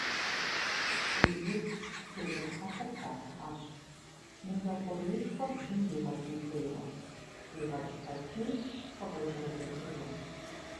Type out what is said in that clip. Сизиф тезыр хьэлъэ тралъхьащ, мывэ хъуреишхуэр бгым дикъэкӏын хуейуэ, дигъэкӏ пэтми, къыфӏеджэрэзэхыжу.